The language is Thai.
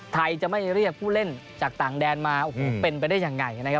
ไทยจะไม่เรียกผู้เล่นจากต่างแดนมาโอ้โหเป็นไปได้ยังไงนะครับ